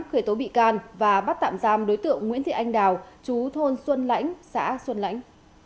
khởi tố bị can và bắt tạm giam đối tượng nguyễn thị anh đào chú thôn xuân lãnh xã xuân lãnh